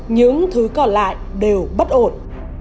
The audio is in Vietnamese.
những thứ còn lại đều bất ổn